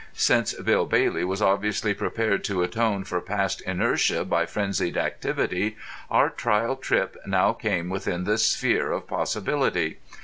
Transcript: Since Bill Bailey was obviously prepared to atone for past inertia by frenzied activity, our trial trip now came within the sphere of possibility.